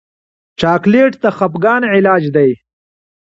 چاکلېټ د خفګان علاج دی.